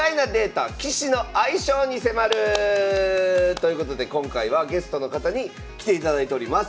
今日はということで今回はゲストの方に来ていただいております。